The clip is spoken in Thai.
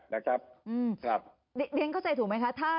เรียนเข้าใจถูกไหมคะ